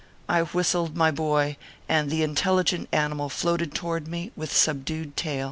I whistled, my boy, and the intelligent animal floated toward me with subdued tail.